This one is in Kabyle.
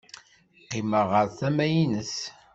Qqimeɣ ɣer tama-nnes.